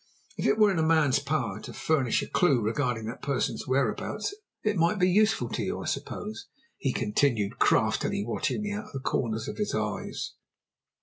"If it were in a man's power to furnish a clue regarding that person's whereabouts, it might be useful to you, I suppose," he continued, craftily watching me out of the corners of his eyes.